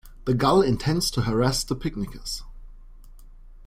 The gull intends to harass the picnickers.